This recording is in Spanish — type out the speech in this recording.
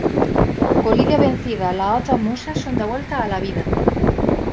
Con Lydia vencida, las otras musas son devueltas a la vida.